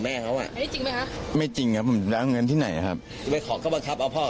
แล้วเคยจะเอาเงินไปเจอปืนมายิงพ่อกับแม่ก็ว่าง